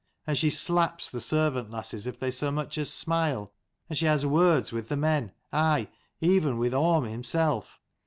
And she slaps the servant lasses if they so much as smile, and she has words with the men, aye, even with Orm himself.